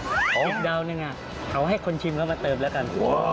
พี่ดาวนึงไงเขาให้คนชิมเขามาเติบละกัน